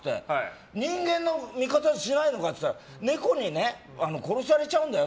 人間の味方しないのかって聞いたらネコにね、殺されちゃうんだよ？